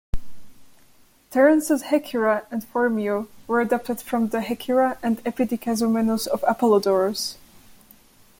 Terence's "Hecyra" and "Phormio" were adapted from the "Hekyra" and "Epidikazomenos" of Apollodorus.